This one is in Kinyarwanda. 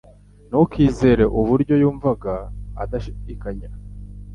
ntukizere uburyo yumvaga adashidikanya.